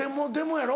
やろ？